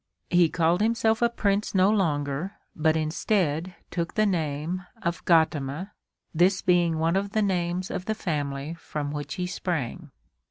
He called himself a prince no longer, but instead took the name of Gotama, this being one of the names of the family from which he sprang.